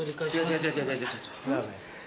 違う違う。